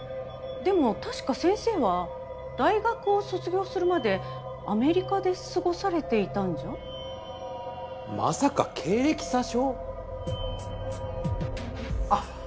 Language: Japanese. でも確か先生は大学を卒業するまでアメリカで過ごされていたんじゃ？まさか経歴詐称？